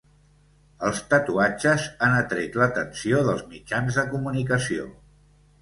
Els tatuatges han atret l'atenció dels mitjans de comunicació.